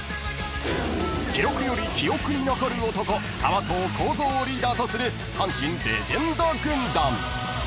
［記録より記憶に残る男川藤幸三をリーダーとする阪神レジェンド軍団］